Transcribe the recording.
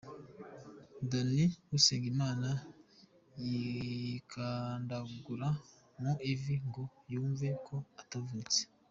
Danny Usengimana yikandagura mu ivi ngo yumve ko atavunitse.